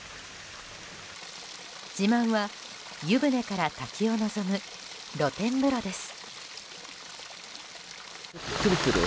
自慢は、湯船から滝を望む露天風呂です。